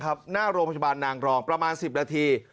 หน้ารองประชุบาลนางรองประมาณ๑๐นาที